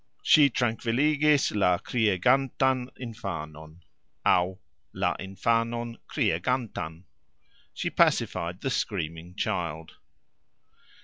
"Sxi trankviligis la kriegantan infanon "(aux, "la infanon kriegantan"), She pacified the screaming child.